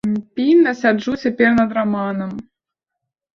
Пільна сяджу цяпер над раманам.